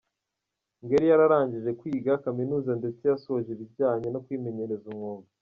Ngo yari yararangije kwiga kaminuza ndetse yasoje ibijyanye no kwimenyereza umwuga.